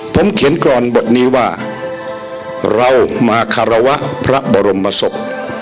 ผมเขียนกรอนบทนี้ว่าเรามาคารวะพระบรมศพ